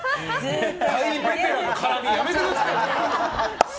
大ベテランの絡みやめてください。